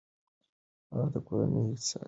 هغې د کورني اقتصاد پام ساتي.